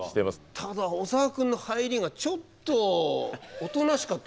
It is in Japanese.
ただ小沢君の入りがちょっとおとなしかったんだよね。